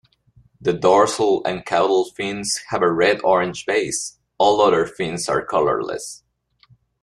The dorsal and caudal fins have a red-orange base, all other fins are colorless.